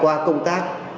các công tác